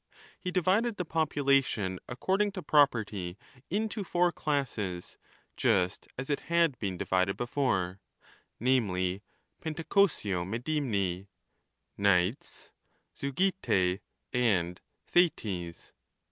He divided the population according to property 2 into four classes, just as it had been divided before, 3 namely, Pentacosiomedimni, Knights, Zeugltae, and Thetes.